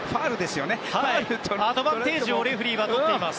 アドバンテージをレフェリーがとっています。